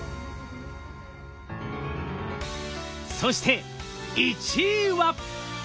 そして１位は？